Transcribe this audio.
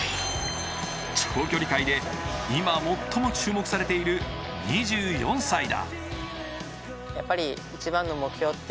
長距離界で今最も注目されている２４歳だ。